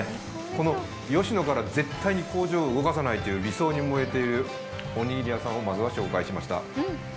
この吉野から絶対に工場を動かさないという理想に燃えているおにぎり屋さんを、まずは紹介しました。